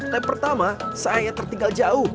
lap pertama saya tertinggal jauh